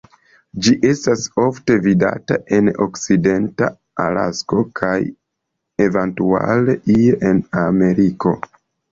Ĝi estas ofte vidata en okcidenta Alasko kaj eventuale ie en Ameriko.